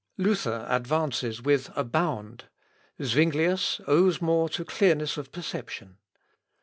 Luther advances with a bound. Zuinglius owes more to clearness of perception.